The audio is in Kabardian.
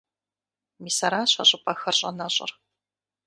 Мис аращ а щӀыпӀэхэр щӀэнэщӀыр.